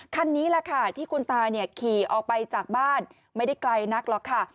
คันนี้แหละค่ะที่คุณตาเนี่ยขี่ออกไปจากบ้านไม่ได้ไกลนักหรอกค่ะ